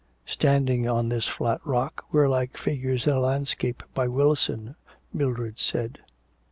'Standing on this flat rock we're like figures in a landscape, by Wilson,' Mildred said.